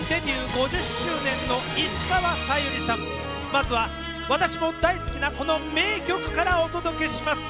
まずは私も大好きなこの名曲からお届けします。